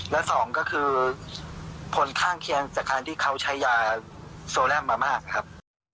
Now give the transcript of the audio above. และสองก็คือผลข้างเคียงจากการที่เขาใช้ยาโซแรมมามากครับ